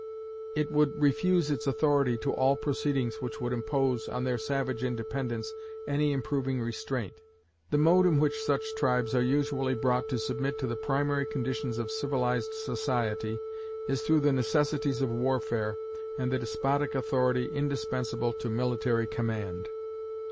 It would refuse its authority to all proceedings which would impose, on their savage independence, any improving restraint. The mode in which such tribes are usually brought to submit to the primary conditions of civilized society is through the necessities of warfare, and the despotic authority indispensable to military command.